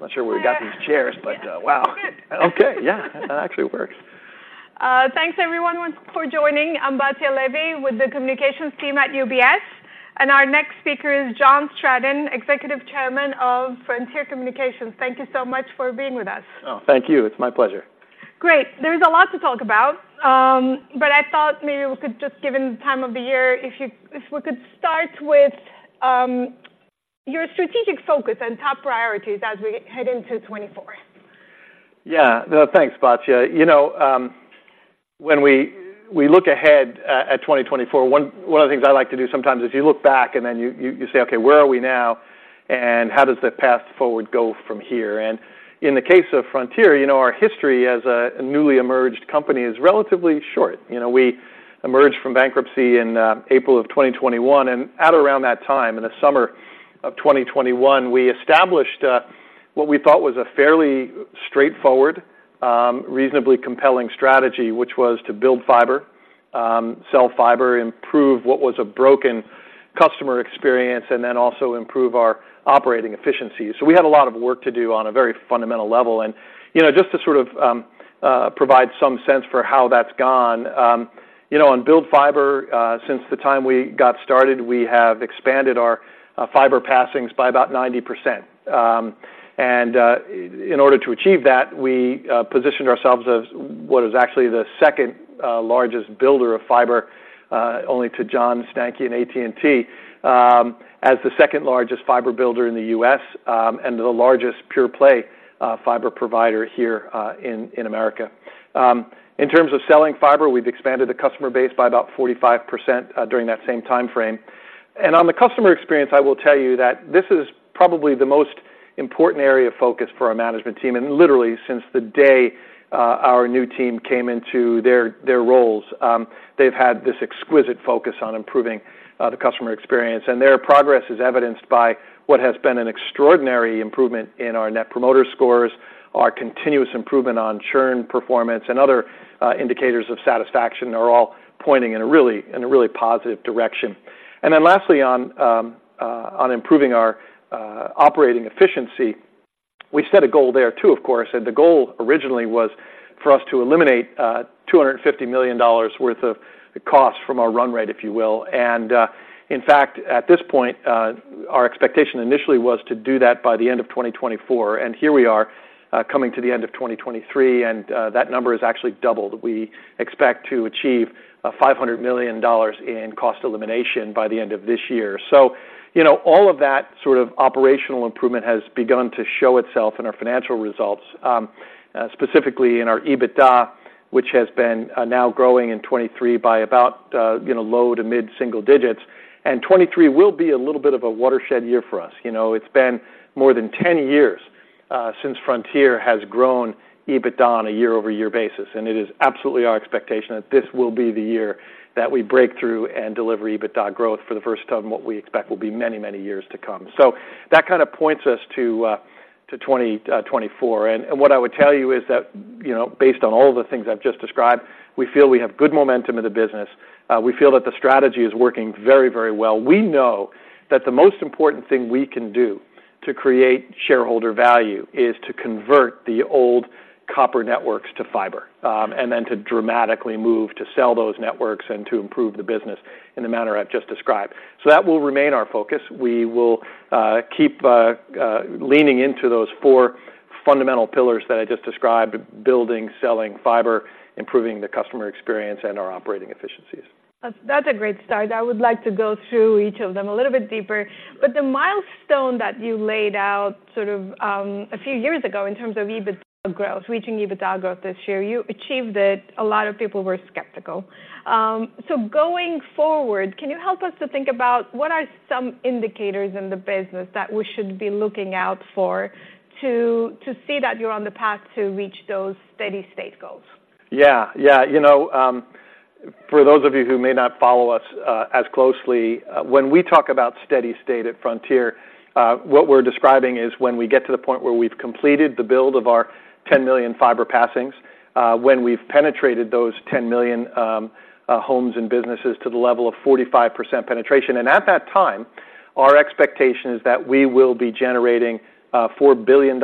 I'm not sure where we got these chairs, but, wow! Okay. Yeah, that actually works. Thanks everyone for joining. I'm Batya Levi with the communications team at UBS, and our next speaker is John Stratton, Executive Chairman of Frontier Communications. Thank you so much for being with us. Oh, thank you. It's my pleasure. Great! There's a lot to talk about, but I thought maybe we could just, given the time of the year, if we could start with your strategic focus and top priorities as we head into 2024. Yeah. Thanks, Batya. You know, when we look ahead at 2024, one of the things I like to do sometimes is you look back and then you say, "Okay, where are we now? And how does the path forward go from here?" And in the case of Frontier, you know, our history as a newly emerged company is relatively short. You know, we emerged from bankruptcy in April of 2021, and at around that time, in the summer of 2021, we established what we thought was a fairly straightforward, reasonably compelling strategy, which was to build fiber, sell fiber, improve what was a broken customer experience, and then also improve our operating efficiency. So we had a lot of work to do on a very fundamental level. And, you know, just to sort of provide some sense for how that's gone, you know, on build fiber, since the time we got started, we have expanded our fiber passings by about 90%. And in order to achieve that, we positioned ourselves as what is actually the second largest builder of fiber, only to John Stankey and AT&T, as the second largest fiber builder in the U.S., and the largest pure play fiber provider here, in America. In terms of selling fiber, we've expanded the customer base by about 45%, during that same time frame. And on the customer experience, I will tell you that this is probably the most important area of focus for our management team. And literally, since the day, our new team came into their roles, they've had this exquisite focus on improving the customer experience. And their progress is evidenced by what has been an extraordinary improvement in our Net Promoter Scores. Our continuous improvement on churn performance and other indicators of satisfaction are all pointing in a really positive direction. And then lastly, on improving our operating efficiency, we set a goal there too, of course, and the goal originally was for us to eliminate $250 million worth of costs from our run rate, if you will. In fact, at this point, our expectation initially was to do that by the end of 2024, and here we are, coming to the end of 2023, and that number is actually doubled. We expect to achieve $500 million in cost elimination by the end of this year. So, you know, all of that sort of operational improvement has begun to show itself in our financial results, specifically in our EBITDA, which has been now growing in 2023 by about, you know, low to mid single digits. And 2023 will be a little bit of a watershed year for us. You know, it's been more than 10 years since Frontier has grown EBITDA on a year-over-year basis, and it is absolutely our expectation that this will be the year that we break through and deliver EBITDA growth for the first time, what we expect will be many, many years to come. So that kind of points us to 2024. And what I would tell you is that, you know, based on all the things I've just described, we feel we have good momentum in the business. We feel that the strategy is working very, very well. We know that the most important thing we can do to create shareholder value is to convert the old copper networks to fiber, and then to dramatically move to sell those networks and to improve the business in the manner I've just described. So that will remain our focus. We will keep leaning into those four fundamental pillars that I just described: building, selling fiber, improving the customer experience, and our operating efficiencies. That's a great start. I would like to go through each of them a little bit deeper, but the milestone that you laid out sort of, a few years ago in terms of EBITDA growth, reaching EBITDA growth this year, you achieved it. A lot of people were skeptical. So going forward, can you help us to think about what are some indicators in the business that we should be looking out for to see that you're on the path to reach those steady-state goals? Yeah. Yeah. You know, for those of you who may not follow us as closely, when we talk about steady state at Frontier, what we're describing is when we get to the point where we've completed the build of our 10 million fiber passings, when we've penetrated those 10 million homes and businesses to the level of 45% penetration. And at that time, our expectation is that we will be generating $4 billion of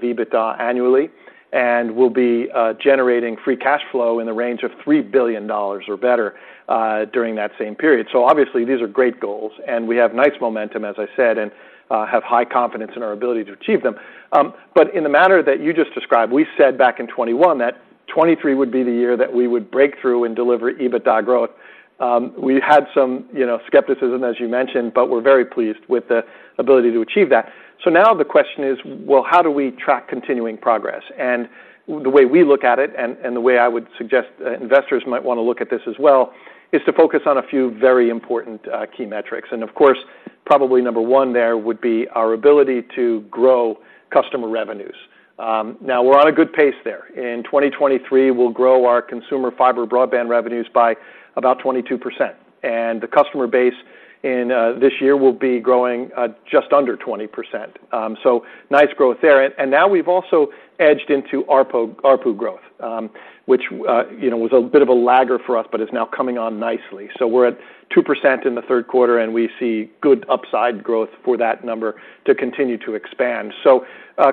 EBITDA annually, and we'll be generating free cash flow in the range of $3 billion or better during that same period. So obviously, these are great goals, and we have nice momentum, as I said, and have high confidence in our ability to achieve them. But in the manner that you just described, we said back in 2021, that 2023 would be the year that we would break through and deliver EBITDA growth. We had some, you know, skepticism, as you mentioned, but we're very pleased with the ability to achieve that. So now the question is: Well, how do we track continuing progress? And the way we look at it, and the way I would suggest investors might wanna look at this as well, is to focus on a few very important key metrics. And of course, probably number one, there would be our ability to grow customer revenues. Now we're on a good pace there. In 2023, we'll grow our consumer fiber broadband revenues by about 22%, and this year we'll be growing just under 20%. So nice growth there. And now we've also edged into ARPU growth, which, you know, was a bit of a lagger for us, but is now coming on nicely. So we're at 2% in the third quarter, and we see good upside growth for that number to continue to expand. So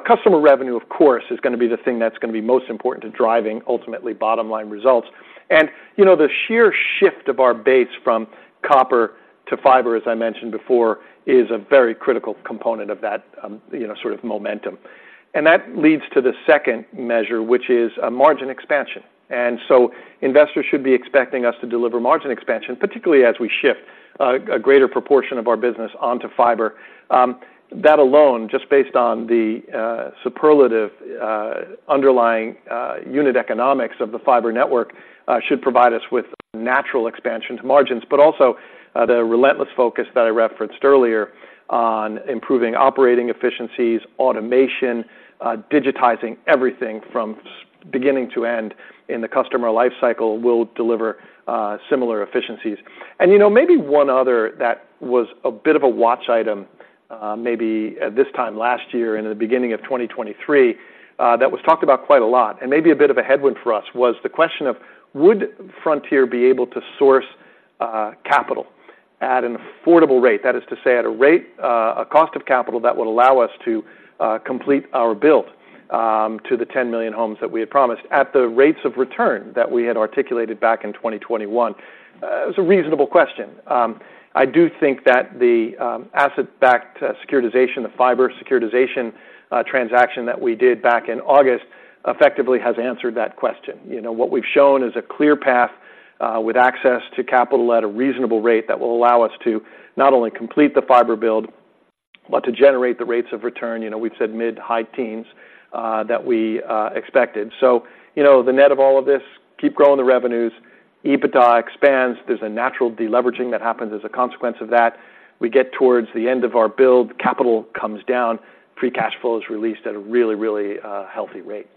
customer revenue, of course, is gonna be the thing that's gonna be most important to driving ultimately bottom line results. And, you know, the sheer shift of our base from copper to fiber, as I mentioned before, is a very critical component of that, you know, sort of momentum. And that leads to the second measure, which is margin expansion. And so investors should be expecting us to deliver margin expansion, particularly as we shift a greater proportion of our business onto fiber. That alone, just based on the superlative underlying unit economics of the fiber network, should provide us with natural expansion to margins. But also, the relentless focus that I referenced earlier on improving operating efficiencies, automation, digitizing everything from beginning to end in the customer life cycle will deliver similar efficiencies. And, you know, maybe one other that was a bit of a watch item, maybe at this time last year and in the beginning of 2023, that was talked about quite a lot, and maybe a bit of a headwind for us, was the question of: Would Frontier be able to source capital at an affordable rate? That is to say, at a rate... A cost of capital that would allow us to complete our build to the 10 million homes that we had promised at the rates of return that we had articulated back in 2021. It was a reasonable question. I do think that the asset-backed securitization, the fiber securitization transaction that we did back in August, effectively has answered that question. You know, what we've shown is a clear path with access to capital at a reasonable rate that will allow us to not only complete the fiber build, but to generate the rates of return, you know, we've said mid-high teens that we expected. So, you know, the net of all of this, keep growing the revenues, EBITDA expands. There's a natural deleveraging that happens as a consequence of that. We get towards the end of our build, capital comes down, free cash flow is released at a really, really, healthy rate.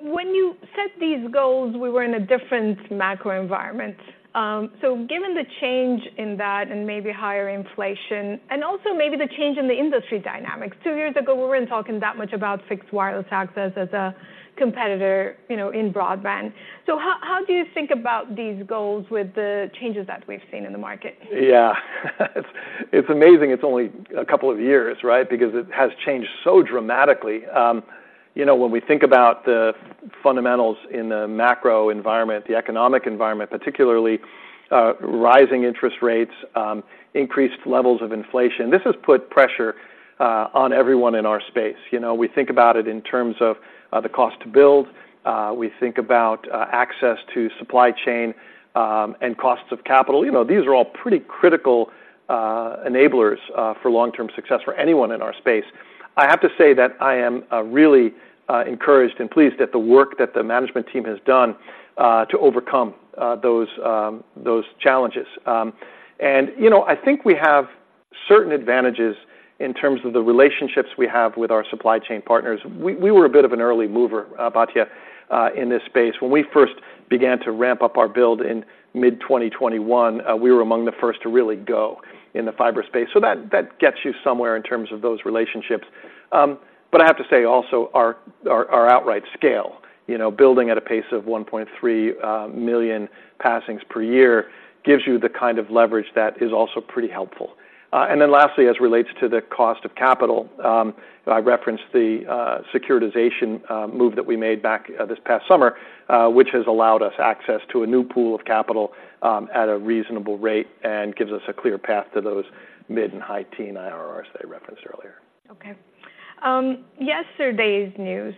When you set these goals, we were in a different macro environment. So given the change in that and maybe higher inflation, and also maybe the change in the industry dynamics, two years ago, we weren't talking that much about Fixed Wireless Access as a competitor, you know, in broadband. So how do you think about these goals with the changes that we've seen in the market? Yeah. It's, it's amazing it's only a couple of years, right? Because it has changed so dramatically. You know, when we think about the fundamentals in the macro environment, the economic environment, particularly, rising interest rates, increased levels of inflation, this has put pressure on everyone in our space. You know, we think about it in terms of, the cost to build, we think about, access to supply chain, and costs of capital. You know, these are all pretty critical, enablers, for long-term success for anyone in our space. I have to say that I am, really, encouraged and pleased at the work that the management team has done, to overcome, those, those challenges. You know, I think we have certain advantages in terms of the relationships we have with our supply chain partners. We were a bit of an early mover, Batya, in this space. When we first began to ramp up our build in mid-2021, we were among the first to really go in the fiber space, so that gets you somewhere in terms of those relationships. But I have to say also, our outright scale, you know, building at a pace of 1.3 million passings per year, gives you the kind of leverage that is also pretty helpful. And then lastly, as it relates to the cost of capital, I referenced the securitization move that we made back this past summer, which has allowed us access to a new pool of capital at a reasonable rate, and gives us a clear path to those mid- and high-teen IRRs that I referenced earlier. Okay. Yesterday's news,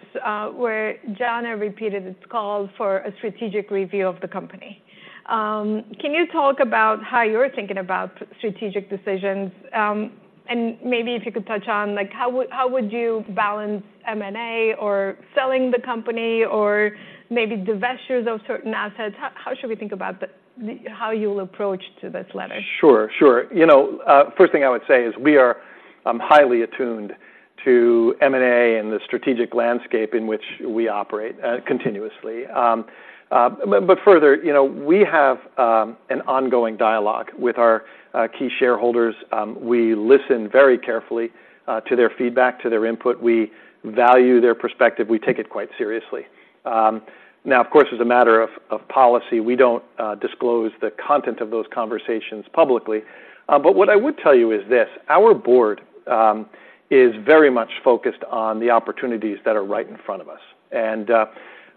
where Jana repeated its call for a strategic review of the company. Can you talk about how you're thinking about strategic decisions? And maybe if you could touch on, like, how would you balance M&A, or selling the company, or maybe divestitures of certain assets? How should we think about how you'll approach to this letter? Sure, sure. You know, first thing I would say is we are highly attuned to M&A and the strategic landscape in which we operate continuously. But further, you know, we have an ongoing dialogue with our key shareholders. We listen very carefully to their feedback, to their input. We value their perspective. We take it quite seriously. Now, of course, as a matter of policy, we don't disclose the content of those conversations publicly. But what I would tell you is this: our board is very much focused on the opportunities that are right in front of us.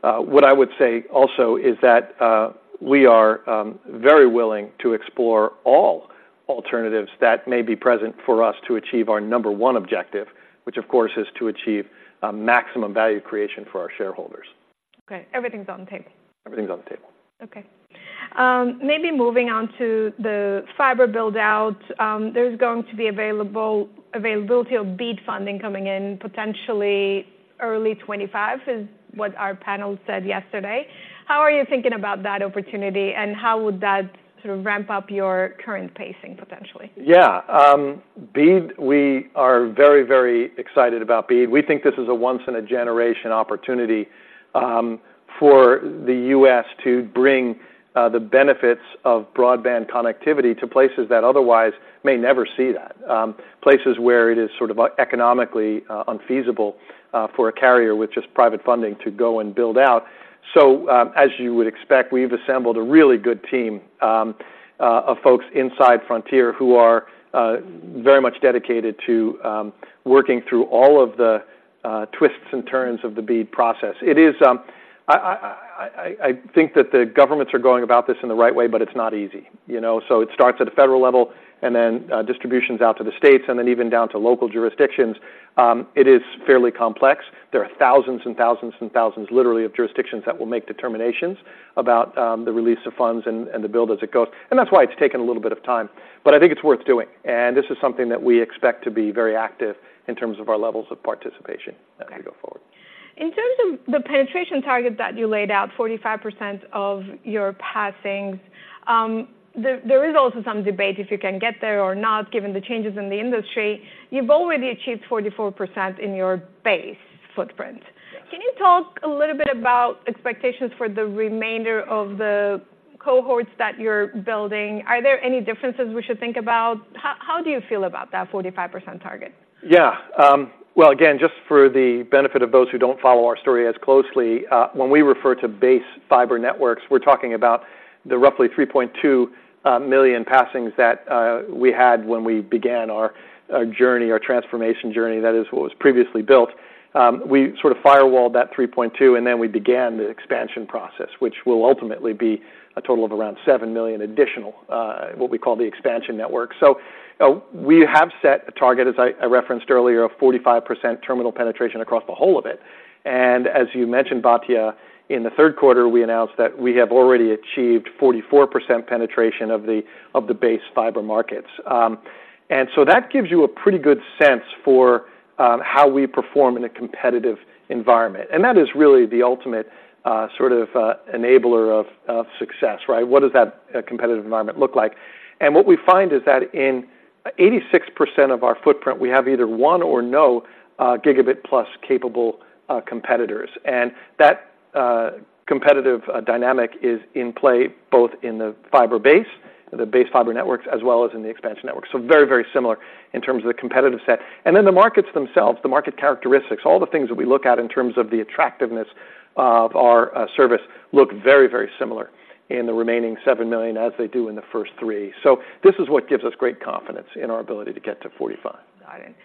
What I would say also is that we are very willing to explore all alternatives that may be present for us to achieve our number one objective, which, of course, is to achieve maximum value creation for our shareholders. Okay. Everything's on the table. Everything's on the table. Okay. Maybe moving on to the fiber build-out. There's going to be availability of BEAD funding coming in, potentially early 2025, is what our panel said yesterday. How are you thinking about that opportunity, and how would that sort of ramp up your current pacing, potentially? Yeah, BEAD, we are very, very excited about BEAD. We think this is a once-in-a-generation opportunity for the U.S. to bring the benefits of broadband connectivity to places that otherwise may never see that. Places where it is sort of economically unfeasible for a carrier with just private funding to go and build out. So, as you would expect, we've assembled a really good team of folks inside Frontier who are very much dedicated to working through all of the twists and turns of the BEAD process. It is, I think that the governments are going about this in the right way, but it's not easy. You know, so it starts at a federal level, and then distributions out to the states, and then even down to local jurisdictions. It is fairly complex. There are thousands and thousands and thousands, literally, of jurisdictions that will make determinations about the release of funds and the build as it goes. That's why it's taken a little bit of time, but I think it's worth doing, and this is something that we expect to be very active in terms of our levels of participation as we go forward. In terms of the penetration target that you laid out, 45% of your passings, there is also some debate if you can get there or not, given the changes in the industry. You've already achieved 44% in your base footprint. Can you talk a little bit about expectations for the remainder of the cohorts that you're building? Are there any differences we should think about? How do you feel about that 45% target? Yeah. Well, again, just for the benefit of those who don't follow our story as closely, when we refer to base fiber networks, we're talking about the roughly 3.2 million passings that we had when we began our journey, our transformation journey. That is what was previously built. We sort of firewalled that 3.2, and then we began the expansion process, which will ultimately be a total of around 7 million additional what we call the expansion network. So, we have set a target, as I referenced earlier, of 45% terminal penetration across the whole of it, and as you mentioned, Batya, in the third quarter, we announced that we have already achieved 44% penetration of the base fiber markets. And so that gives you a pretty good sense for how we perform in a competitive environment. And that is really the ultimate sort of enabler of success, right? What does that competitive environment look like? And what we find is that in 86% of our footprint, we have either one or no gigabit-plus capable competitors. And that competitive dynamic is in play both in the fiber base, the base fiber networks, as well as in the expansion network. So very, very similar in terms of the competitive set. And then the markets themselves, the market characteristics, all the things that we look at in terms of the attractiveness of our service look very, very similar in the remaining 7 million as they do in the first three. This is what gives us great confidence in our ability to get to 45. Got it.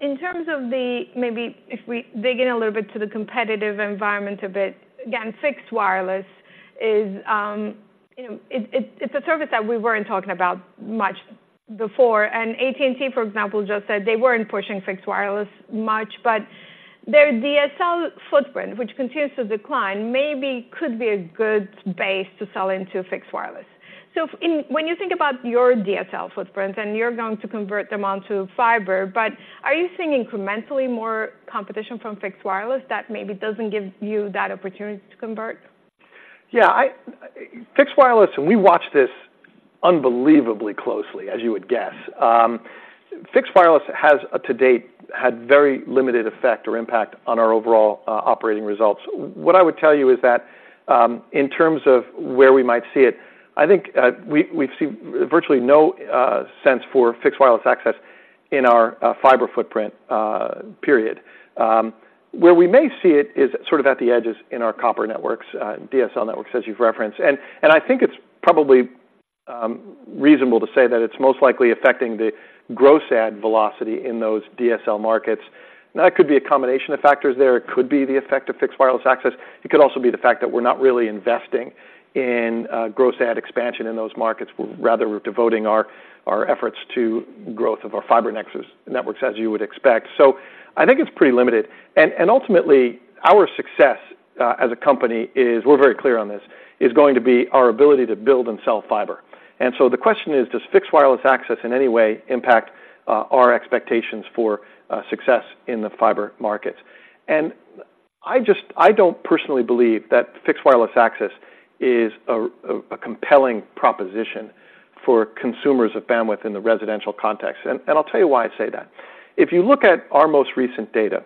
In terms of the—maybe if we dig in a little bit to the competitive environment a bit, again, fixed wireless is, you know, it's a service that we weren't talking about much before, and AT&T, for example, just said they weren't pushing fixed wireless much, but their DSL footprint, which continues to decline, maybe could be a good base to sell into fixed wireless. So in—when you think about your DSL footprint, and you're going to convert them onto fiber, but are you seeing incrementally more competition from fixed wireless that maybe doesn't give you that opportunity to convert? Yeah, fixed wireless, and we watch this unbelievably closely, as you would guess. Fixed wireless has, to date, had very limited effect or impact on our overall, operating results. What I would tell you is that, in terms of where we might see it, I think, we've seen virtually no sense for fixed wireless access in our fiber footprint, period. Where we may see it is sort of at the edges in our copper networks, DSL networks, as you've referenced. And I think it's probably reasonable to say that it's most likely affecting the gross add velocity in those DSL markets. That could be a combination of factors there. It could be the effect of fixed wireless access. It could also be the fact that we're not really investing in gross add expansion in those markets. We're rather devoting our efforts to growth of our fiber access networks, as you would expect. So I think it's pretty limited, and ultimately, our success as a company is, we're very clear on this, is going to be our ability to build and sell fiber. And so the question is, does fixed wireless access in any way impact our expectations for success in the fiber markets? And I just, I don't personally believe that fixed wireless access is a compelling proposition for consumers of bandwidth in the residential context, and I'll tell you why I say that. If you look at our most recent data,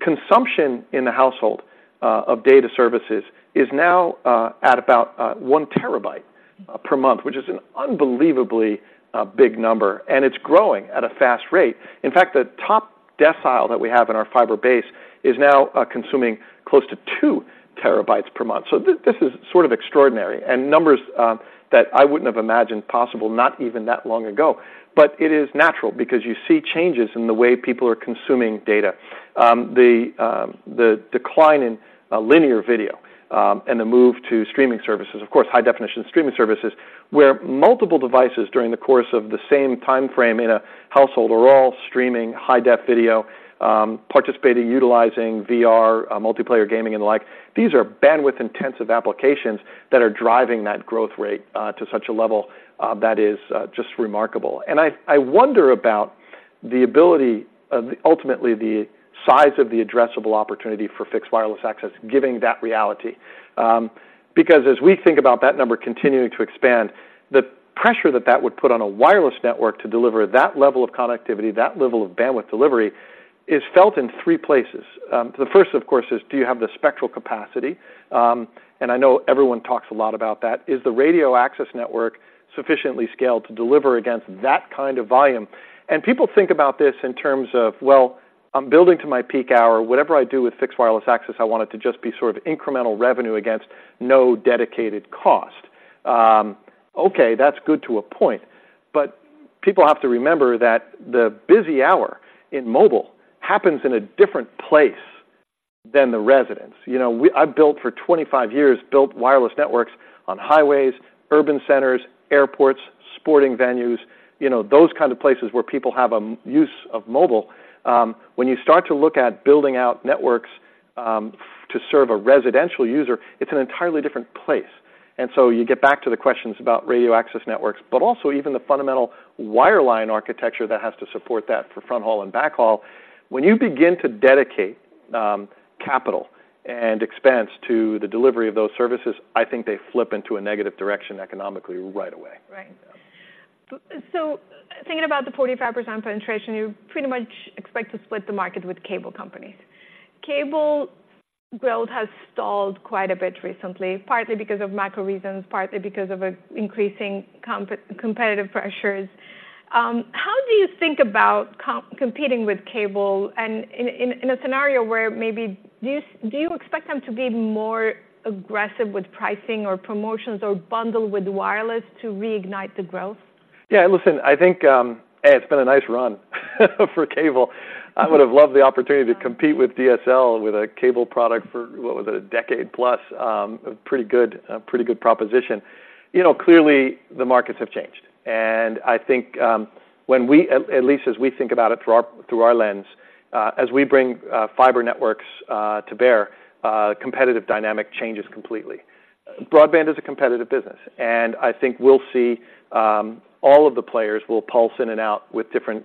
consumption in the household of data services is now at about 1 TB per month, which is an unbelievably big number, and it's growing at a fast rate. In fact, the top decile that we have in our fiber base is now consuming close to 2 TB per month. So this is sort of extraordinary, and numbers that I wouldn't have imagined possible, not even that long ago. But it is natural because you see changes in the way people are consuming data. The decline in linear video and the move to streaming services, of course, high-definition streaming services, where multiple devices during the course of the same timeframe in a household are all streaming high-def video, participating, utilizing VR, multiplayer gaming and the like. These are bandwidth-intensive applications that are driving that growth rate to such a level that is just remarkable. And I wonder about the ability of ultimately the size of the addressable opportunity for fixed wireless access, giving that reality. Because as we think about that number continuing to expand, the pressure that that would put on a wireless network to deliver that level of connectivity, that level of bandwidth delivery is felt in three places. The first, of course, is do you have the spectral capacity? And I know everyone talks a lot about that. Is the radio access network sufficiently scaled to deliver against that kind of volume? And people think about this in terms of, well, I'm building to my peak hour. Whatever I do with fixed wireless access, I want it to just be sort of incremental revenue against no dedicated cost. Okay, that's good to a point, but people have to remember that the busy hour in mobile happens in a different place than residential. You know, I've built for 25 years, built wireless networks on highways, urban centers, airports, sporting venues, you know, those kind of places where people have a use of mobile. When you start to look at building out networks to serve a residential user, it's an entirely different place. And so you get back to the questions about radio access networks, but also even the fundamental wireline architecture that has to support that for fronthaul and backhaul. When you begin to dedicate, capital and expense to the delivery of those services, I think they flip into a negative direction economically, right away. Right. So thinking about the 45% penetration, you pretty much expect to split the market with cable companies. Cable growth has stalled quite a bit recently, partly because of macro reasons, partly because of increasing competitive pressures. How do you think about competing with cable? And in a scenario where maybe... Do you expect them to be more aggressive with pricing or promotions or bundle with wireless to reignite the growth? Yeah, listen, I think it's been a nice run for cable. I would have loved the opportunity to compete with DSL with a cable product for, what was it, a decade plus, a pretty good, a pretty good proposition. You know, clearly the markets have changed, and I think, when we, at least as we think about it through our lens, as we bring fiber networks to bear, competitive dynamic changes completely. Broadband is a competitive business, and I think we'll see all of the players will pulse in and out with different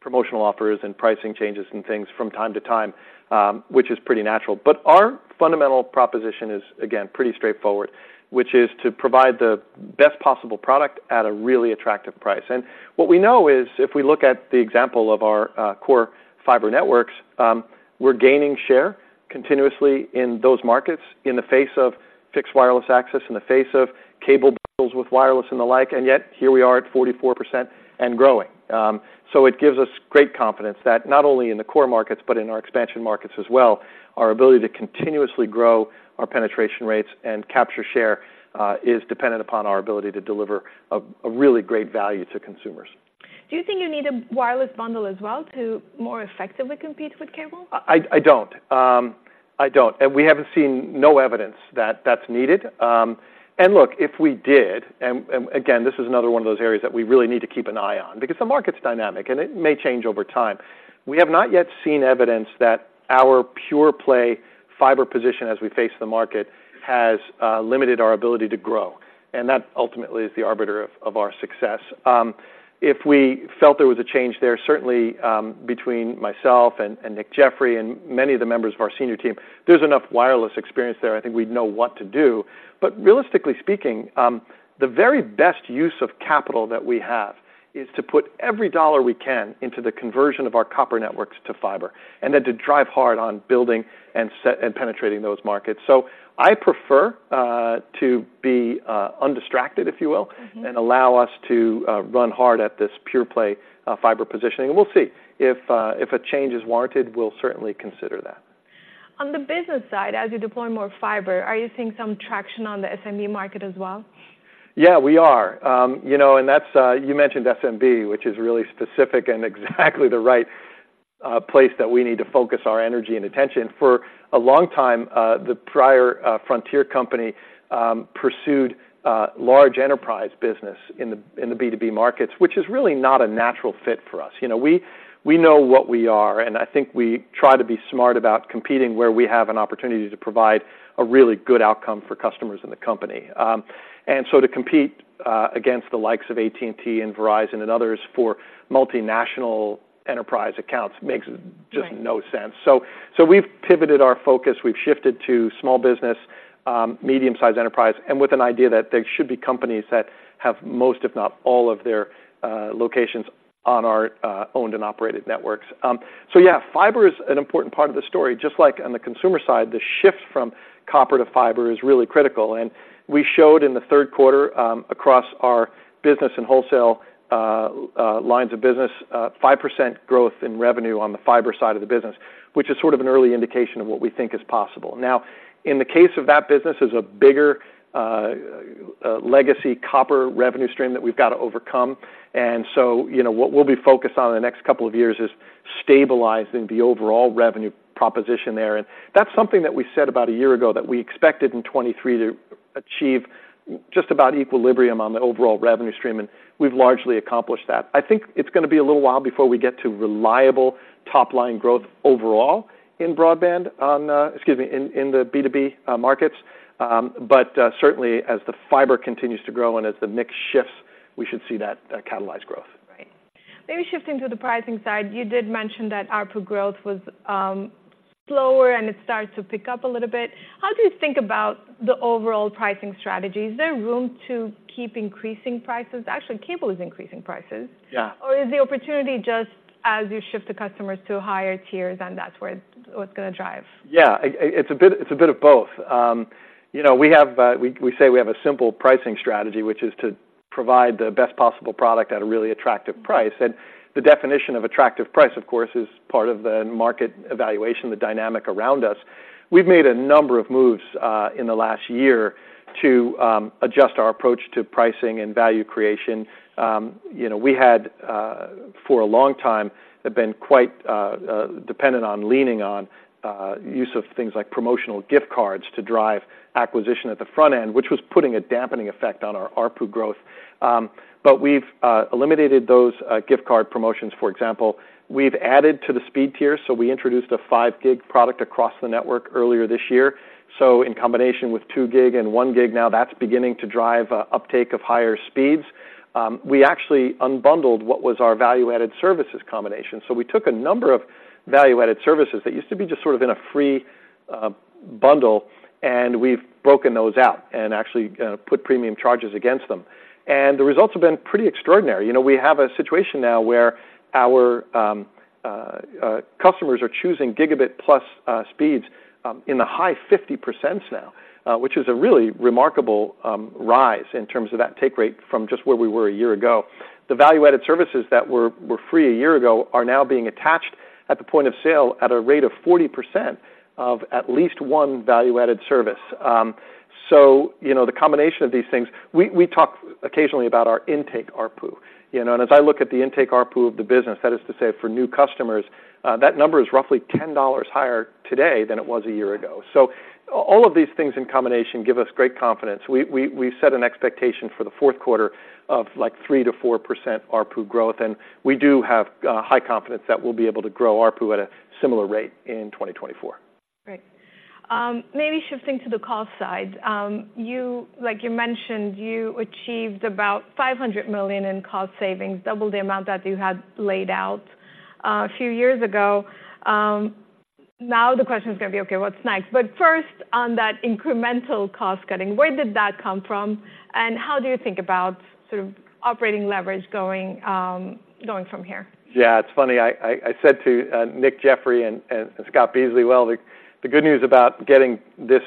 promotional offers and pricing changes and things from time to time, which is pretty natural. But our fundamental proposition is, again, pretty straightforward, which is to provide the best possible product at a really attractive price. What we know is, if we look at the example of our core fiber networks, we're gaining share continuously in those markets in the face of fixed wireless access, in the face of cable bundles with wireless and the like, and yet here we are at 44% and growing. So it gives us great confidence that not only in the core markets, but in our expansion markets as well, our ability to continuously grow our penetration rates and capture share is dependent upon our ability to deliver a really great value to consumers. Do you think you need a wireless bundle as well to more effectively compete with cable? I don't. We haven't seen no evidence that that's needed. And look, if we did, and again, this is another one of those areas that we really need to keep an eye on because the market's dynamic, and it may change over time. We have not yet seen evidence that our pure play fiber position as we face the market has limited our ability to grow, and that ultimately is the arbiter of our success. If we felt there was a change there, certainly, between myself and Nick Jeffery and many of the members of our senior team, there's enough wireless experience there, I think we'd know what to do. But realistically speaking, the very best use of capital that we have is to put every dollar we can into the conversion of our copper networks to fiber, and then to drive hard on building and penetrating those markets. So I prefer to be undistracted, if you will- Mm-hmm. and allow us to run hard at this pure play fiber positioning, and we'll see. If a change is warranted, we'll certainly consider that. On the business side, as you deploy more fiber, are you seeing some traction on the SMB market as well? Yeah, we are. You know, and that's, you mentioned SMB, which is really specific and exactly the right place that we need to focus our energy and attention. For a long time, the prior Frontier company pursued large enterprise business in the B2B markets, which is really not a natural fit for us. You know, we know what we are, and I think we try to be smart about competing where we have an opportunity to provide a really good outcome for customers in the company. And so to compete against the likes of AT&T and Verizon and others for multinational enterprise accounts makes just- Right. No sense. So, so we've pivoted our focus. We've shifted to small business, medium-sized enterprise, and with an idea that they should be companies that have most, if not all, of their locations on our owned and operated networks. So yeah, fiber is an important part of the story. Just like on the consumer side, the shift from copper to fiber is really critical. And we showed in the third quarter, across our business and wholesale lines of business, 5% growth in revenue on the fiber side of the business, which is sort of an early indication of what we think is possible. Now, in the case of that business, is a bigger legacy copper revenue stream that we've got to overcome, and so, you know, what we'll be focused on in the next couple of years is stabilizing the overall revenue proposition there. And that's something that we said about a year ago, that we expected in 2023 to achieve just about equilibrium on the overall revenue stream, and we've largely accomplished that. I think it's gonna be a little while before we get to reliable top-line growth overall in broadband, excuse me, in the B2B markets. But certainly, as the fiber continues to grow and as the mix shifts, we should see that catalyzed growth. Right. Maybe shifting to the pricing side, you did mention that ARPU growth was slower and it starts to pick up a little bit. How do you think about the overall pricing strategy? Is there room to keep increasing prices? Actually, cable is increasing prices. Yeah. Or is the opportunity just as you shift the customers to higher tiers, and that's where—what's going to drive? Yeah, it's a bit, it's a bit of both. You know, we have a simple pricing strategy, which is to provide the best possible product at a really attractive price. And the definition of attractive price, of course, is part of the market evaluation, the dynamic around us. We've made a number of moves in the last year to adjust our approach to pricing and value creation. You know, we had for a long time have been quite dependent on leaning on use of things like promotional gift cards to drive acquisition at the front end, which was putting a dampening effect on our ARPU growth. But we've eliminated those gift card promotions, for example. We've added to the speed tier, so we introduced a five gig product across the network earlier this year. So in combination with two gig and one gig, now, that's beginning to drive uptake of higher speeds. We actually unbundled what was our value-added services combination. So we took a number of value-added services that used to be just sort of in a free bundle, and we've broken those out and actually put premium charges against them. And the results have been pretty extraordinary. You know, we have a situation now where our customers are choosing gigabit-plus speeds in the high 50% now, which is a really remarkable rise in terms of that take rate from just where we were a year ago. The value-added services that were free a year ago are now being attached at the point of sale at a rate of 40% of at least one value-added service. So, you know, the combination of these things, we've set an expectation for the fourth quarter of, like, 3%-4% ARPU growth, and we do have high confidence that we'll be able to grow ARPU at a similar rate in 2024. Great. Maybe shifting to the cost side. You like you mentioned, you achieved about $500 million in cost savings, double the amount that you had laid out a few years ago. Now the question is going to be, okay, what's next? But first, on that incremental cost cutting, where did that come from, and how do you think about sort of operating leverage going from here? Yeah, it's funny, I said to Nick Jeffery and Scott Beasley, "Well, the good news about getting this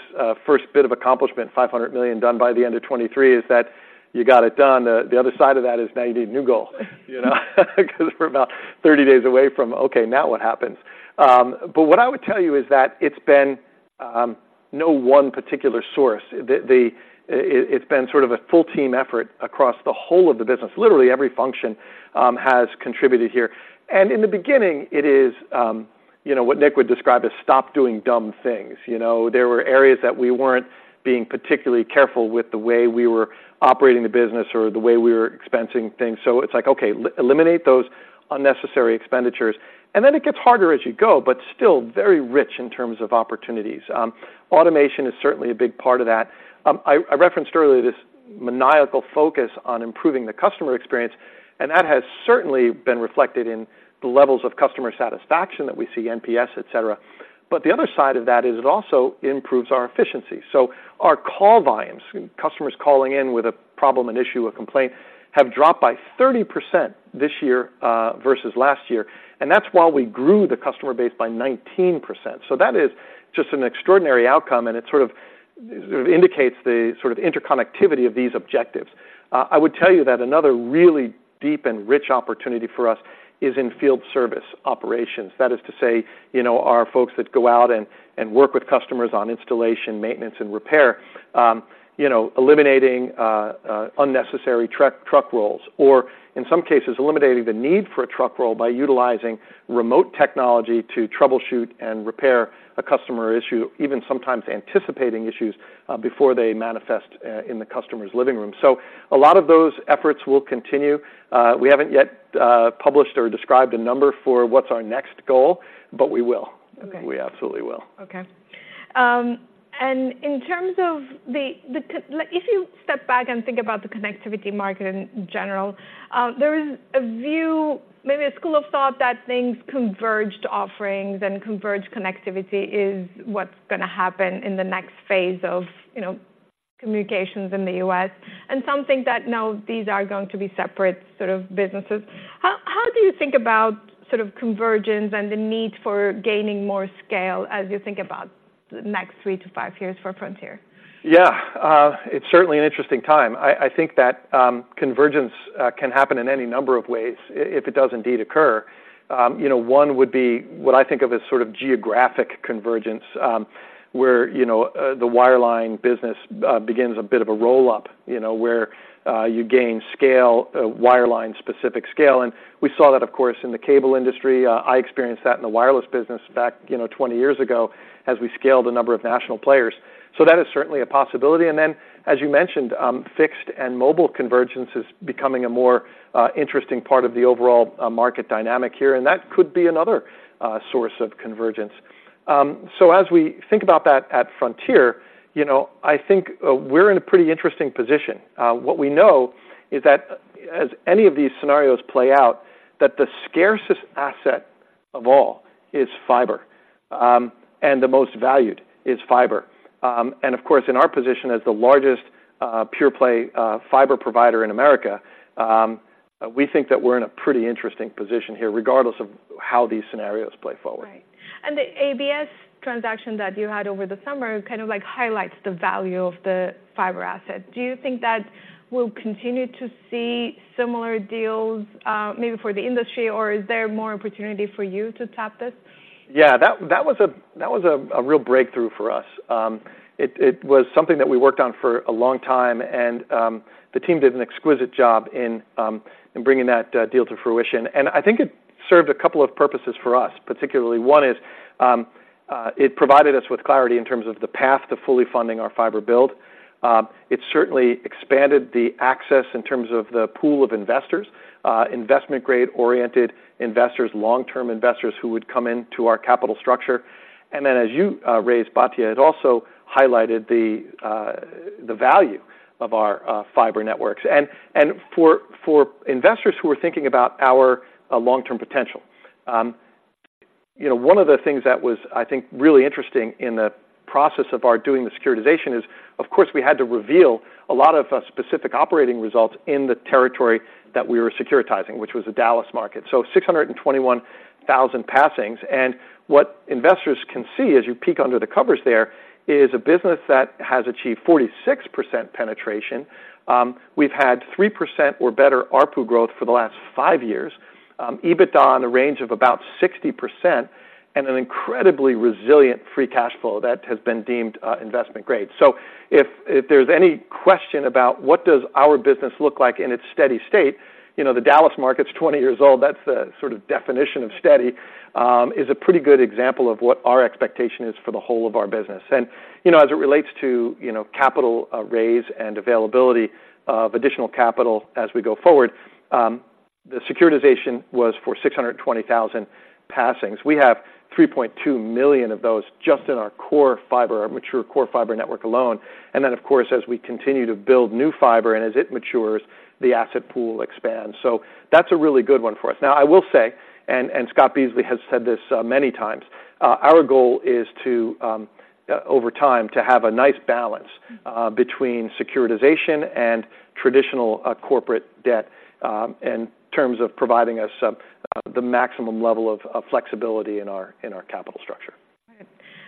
first bit of accomplishment, $500 million done by the end of 2023, is that you got it done. The other side of that is now you need a new goal," you know? Because we're about 30 days away from, "Okay, now what happens?" But what I would tell you is that it's been no one particular source. It's been sort of a full team effort across the whole of the business. Literally, every function has contributed here. And in the beginning, it is, you know, what Nick would describe as stop doing dumb things. You know, there were areas that we weren't being particularly careful with the way we were operating the business or the way we were expensing things. So it's like, okay, eliminate those unnecessary expenditures. And then it gets harder as you go, but still very rich in terms of opportunities. Automation is certainly a big part of that. I referenced earlier this maniacal focus on improving the customer experience, and that has certainly been reflected in the levels of customer satisfaction that we see, NPS, et cetera. But the other side of that is it also improves our efficiency. So our call volumes, customers calling in with a problem, an issue, a complaint, have dropped by 30% this year versus last year, and that's while we grew the customer base by 19%. So that is just an extraordinary outcome, and it sort of, sort of indicates the sort of interconnectivity of these objectives. I would tell you that another really deep and rich opportunity for us is in field service operations. That is to say, you know, our folks that go out and work with customers on installation, maintenance, and repair. You know, eliminating unnecessary truck rolls, or in some cases, eliminating the need for a truck roll by utilizing remote technology to troubleshoot and repair a customer issue, even sometimes anticipating issues before they manifest in the customer's living room. So a lot of those efforts will continue. We haven't yet published or described a number for what's our next goal, but we will. Okay. We absolutely will. Okay. And in terms of the like, if you step back and think about the connectivity market in general, there is a view, maybe a school of thought, that things converged offerings and converged connectivity is what's going to happen in the next phase of, you know, communications in the U.S. And some think that, no, these are going to be separate sort of businesses. How do you think about sort of convergence and the need for gaining more scale as you think about the next 3-5 years for Frontier? Yeah, it's certainly an interesting time. I think that convergence can happen in any number of ways if it does indeed occur. You know, one would be what I think of as sort of geographic convergence, where, you know, the wireline business begins a bit of a roll-up, you know, where you gain scale, wireline-specific scale. And we saw that, of course, in the cable industry. I experienced that in the wireless business back, you know, 20 years ago, as we scaled a number of national players. So that is certainly a possibility, and then, as you mentioned, fixed and mobile convergence is becoming a more interesting part of the overall market dynamic here, and that could be another source of convergence. So as we think about that at Frontier, you know, I think we're in a pretty interesting position. What we know is that as any of these scenarios play out, that the scarcest asset of all is fiber, and the most valued is fiber. And of course, in our position as the largest pure play fiber provider in America, we think that we're in a pretty interesting position here, regardless of how these scenarios play forward. Right. And the ABS transaction that you had over the summer, kind of, like, highlights the value of the fiber asset. Do you think that we'll continue to see similar deals, maybe for the industry, or is there more opportunity for you to tap this? Yeah, that was a real breakthrough for us. It was something that we worked on for a long time, and the team did an exquisite job in bringing that deal to fruition. And I think it served a couple of purposes for us. Particularly, one is, it provided us with clarity in terms of the path to fully funding our fiber build. It certainly expanded the access in terms of the pool of investors, investment grade-oriented investors, long-term investors who would come into our capital structure. And then, as you raised, Batya, it also highlighted the value of our fiber networks. For investors who are thinking about our long-term potential, you know, one of the things that was, I think, really interesting in the process of our doing the securitization is, of course, we had to reveal a lot of specific operating results in the territory that we were securitizing, which was the Dallas market. 621,000 passings. And what investors can see as you peek under the covers there, is a business that has achieved 46% penetration. We've had 3% or better ARPU growth for the last five years, EBITDA in the range of about 60%, and an incredibly resilient free cash flow that has been deemed investment grade. So if there's any question about what does our business look like in its steady state, you know, the Dallas market's 20 years old, that's the sort of definition of steady, is a pretty good example of what our expectation is for the whole of our business. And, you know, as it relates to, you know, capital raise and availability of additional capital as we go forward, the securitization was for 620,000 passings. We have 3.2 million of those just in our core fiber, our mature core fiber network alone. And then, of course, as we continue to build new fiber, and as it matures, the asset pool expands. So that's a really good one for us. Now, I will say, and Scott Beasley has said this many times, our goal is to, over time, to have a nice balance between securitization and traditional corporate debt, in terms of providing us the maximum level of flexibility in our capital structure. All right.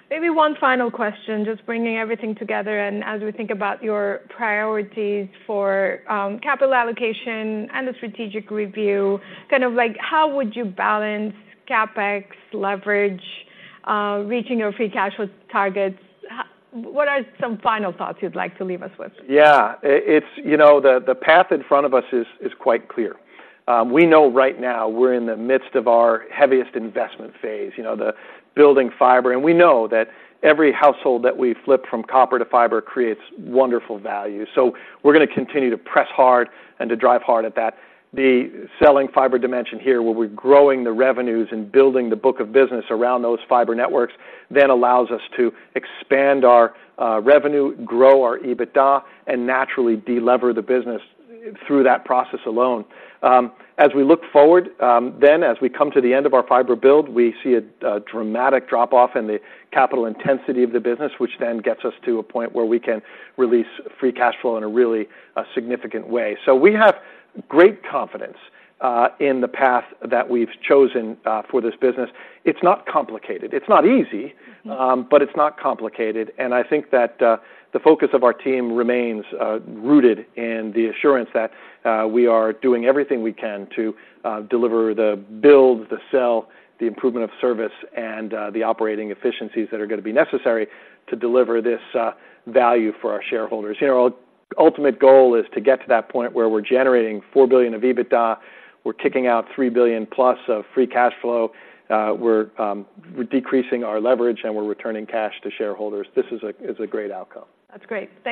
Maybe one final question, just bringing everything together, and as we think about your priorities for capital allocation and the strategic review, kind of like, how would you balance CapEx, leverage, reaching your free cash flow targets? What are some final thoughts you'd like to leave us with? Yeah. It's... You know, the path in front of us is quite clear. We know right now we're in the midst of our heaviest investment phase, you know, the building fiber. And we know that every household that we flip from copper to fiber creates wonderful value. So we're gonna continue to press hard and to drive hard at that. The selling fiber dimension here, where we're growing the revenues and building the book of business around those fiber networks, then allows us to expand our revenue, grow our EBITDA, and naturally de-lever the business through that process alone. As we look forward, then as we come to the end of our fiber build, we see a dramatic drop-off in the capital intensity of the business, which then gets us to a point where we can release free cash flow in a really significant way. So we have great confidence in the path that we've chosen for this business. It's not complicated. It's not easy- Mm-hmm.... but it's not complicated, and I think that, the focus of our team remains, rooted in the assurance that, we are doing everything we can to, deliver the build, the sell, the improvement of service, and, the operating efficiencies that are gonna be necessary to deliver this, value for our shareholders. You know, our ultimate goal is to get to that point where we're generating $4 billion of EBITDA, we're kicking out $3 billion plus of free cash flow, we're decreasing our leverage, and we're returning cash to shareholders. This is a great outcome. That's great. Thank you.